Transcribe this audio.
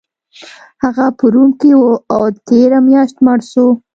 هغه په روم کې و او تیره میاشت مړ شو